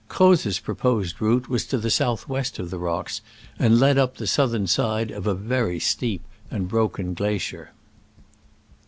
Croz's proposed route was to the south west of the rocks, and led up the southern side of a very steep and broken glacier.